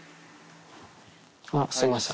あっ、すみません。